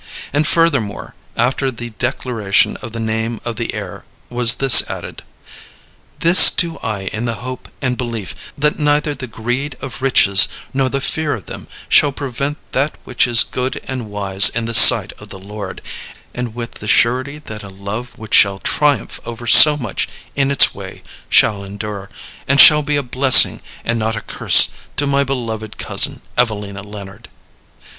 And furthermore, after the declaration of the name of the heir was this added: "This do I in the hope and belief that neither the greed of riches nor the fear of them shall prevent that which is good and wise in the sight of the Lord, and with the surety that a love which shall triumph over so much in its way shall endure, and shall be a blessing and not a curse to my beloved cousin, Evelina Leonard."